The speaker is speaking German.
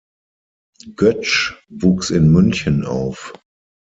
Goetsch wuchs in München auf.